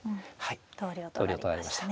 投了となりましたね。